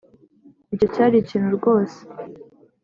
icyo cyari ikintu rwose